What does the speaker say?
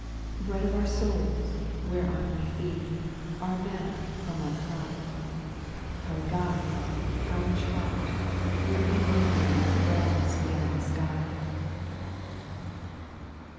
2. Bread of our souls ! whereon we feed, Our manna from on high ; Our guide, our chart, wherein we read Of realms beyond the sky.